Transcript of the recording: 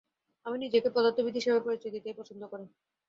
আমি নিজেকে পদার্থবিদ হিসেবে পরিচয় দিতেই পছন্দ করে।